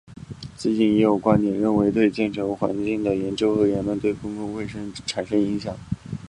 最近也有观点认为对建成环境的研究和言论对公共卫生产生影响。